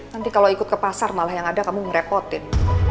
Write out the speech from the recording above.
nanti kalau ikut ke pasar malah yang ada kamu ngerepotin